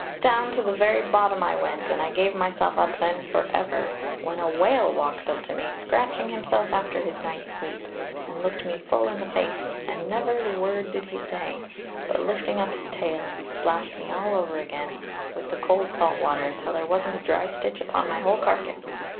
Down to the very bottom I went, and I gave myself up then for ever, when a whale walked up to me, scratching himself after his night's sleep, and looked me full in the face, and never the word did he say, but lifting up his tail, he splashed me all over again with the cold salt water till there wasn't a dry stitch upon my whole carcass!